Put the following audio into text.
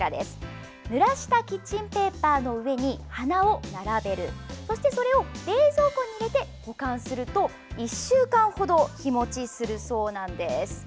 ぬらしたキッチンペーパーの上に花を並べるそして、それを冷蔵庫に入れて保管すると１週間ほど日持ちするそうです。